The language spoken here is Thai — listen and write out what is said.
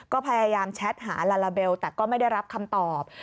ก็พยายามแชทหาลาลาเบลแต่ก็ไม่ได้รับคำตอบ